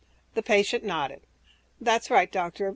His patient nodded, "That's right, Doctor.